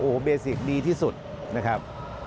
โอ้โหเบสิกดีที่สุดนะครับ